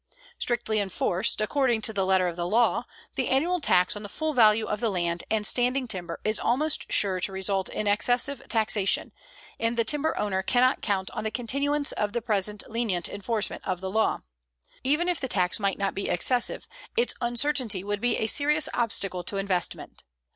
Strictly enforced, according to the letter of the law, the annual tax on the full value of the land and standing timber is almost sure to result in excessive taxation, and the timber owner cannot count on the continuance of the present lenient enforcement of the law. Even if the tax might not be excessive, its uncertainty would be a serious obstacle to investment.